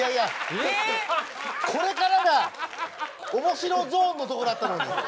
これからが面白ゾーンのとこだったのに。